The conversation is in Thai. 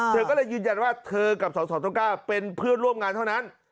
เธอก็เลยยืนยันว่าเธอกับสสต้องกล้าเป็นเพื่อนร่วมงานเท่านั้น